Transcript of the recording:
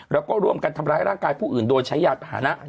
แล้วก็ร่วมกันทำร้ายร่างกายผู้อื่นโดยใช้ยานพาหนะ